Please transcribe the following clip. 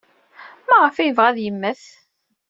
Maɣef ay yebɣa ad yemmet?